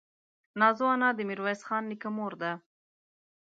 نازو انا دې ميرويس خان نيکه مور ده.